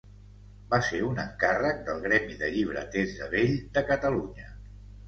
Va ser un encàrrec del Gremi de Llibreters de Vell de Catalunya.